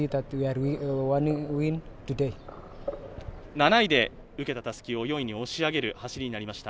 ７位で受けたたすきを４位に押し上げる走りになりました